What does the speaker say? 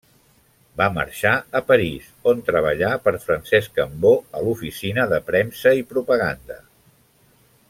Va marxar a París, on treballà per Francesc Cambó a l'Oficina de Premsa i Propaganda.